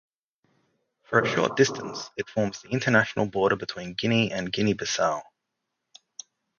For a short distance, it forms the international border between Guinea and Guinea-Bissau.